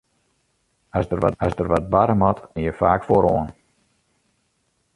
As der wat barre moat, steane je faak foaroan.